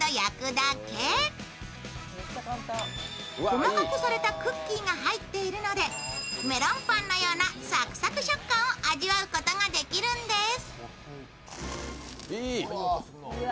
細かくされたクッキーが入っているのでメロンパンのようなサクサク食感を味わうことができるんです。